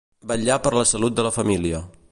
Vetllar per la salut de la família.